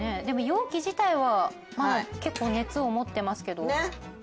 でも容器自体はまだ結構熱を持ってますけど。